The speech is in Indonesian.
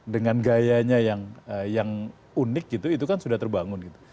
dengan gayanya yang unik gitu itu kan sudah terbangun gitu